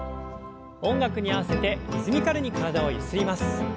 音楽に合わせてリズミカルに体をゆすります。